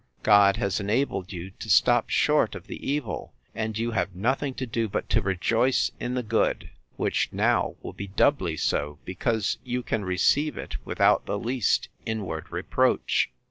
—God has enabled you to stop short of the evil; and you have nothing to do, but to rejoice in the good, which now will be doubly so, because you can receive it without the least inward reproach.